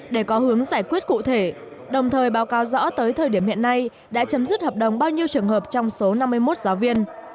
để có hướng giải quyết cụ thể đồng thời báo cáo rõ tới thời điểm hiện nay đã chấm dứt hợp đồng bao nhiêu trường hợp trong số năm mươi một giáo viên